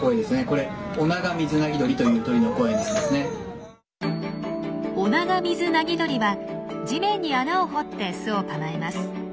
これオナガミズナギドリは地面に穴を掘って巣を構えます。